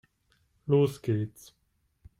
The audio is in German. Los geht's!